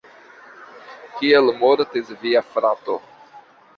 Kiel mortis via frato?